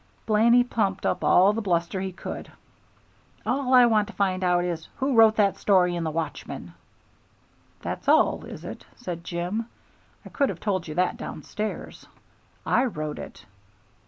Blaney pumped up all the bluster he could. "All I want to find out is, who wrote that story in The Watchman." "That's all, is it?" said Jim. "I could have told you that downstairs. I wrote it."